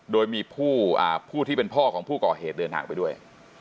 โดยมีผู้ที่เป็นพ่อของผู้ก่อเหตุเดินทางไปด้วย